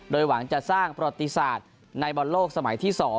โดยหวังจะสร้างประวัติศาสตร์ในบอลโลกสมัยที่๒